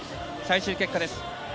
最終結果です。